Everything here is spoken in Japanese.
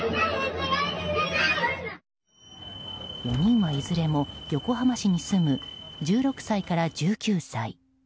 ４人はいずれも横浜市に住む１６歳から１９歳。